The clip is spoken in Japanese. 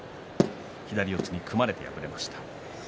左四つに組まれて敗れました。